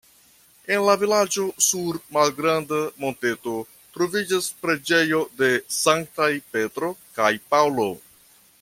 En la vilaĝo sur malgranda monteto troviĝas preĝejo de Sanktaj Petro kaj Paŭlo.